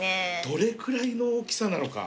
どれくらいの大きさなのか。